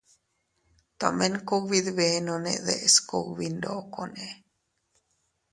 Tomen kugbi dbenonne deʼes kugbi ndokonne.